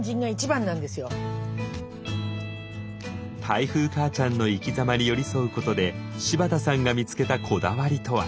台風かあちゃんの生きざまに寄り添うことで柴田さんが見つけたこだわりとは？